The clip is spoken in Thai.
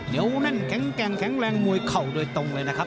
เดี๋ยวแน่นแข็งแกร่งแข็งแรงมวยเข่าโดยตรงเลยนะครับ